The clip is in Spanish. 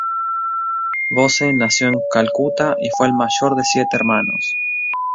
Bose nació en Calcuta y fue el mayor de siete hermanos.